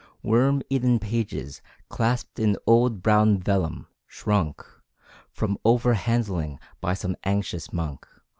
Worm eaten pages, clasped in old brown vellum, shrunk From over handling, by some anxious monk.